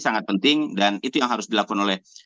sangat penting dan itu yang harus dilakukan oleh